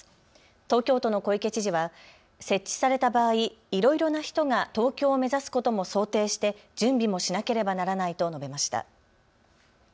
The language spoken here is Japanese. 東京都の小池知事は設置された場合、いろいろな人が東京を目指すことも想定して準備もしなければならないと述べました。